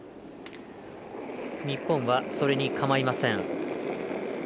日本はそれに構いません。